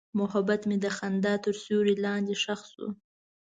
محبت مې د خندا تر سیوري لاندې ښخ شو.